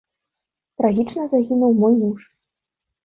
Трагічна загінуў мой муж.